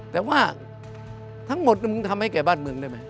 แต่ว่าทั้งหมดมึงทำให้แก่บ้านเมืองได้ไหม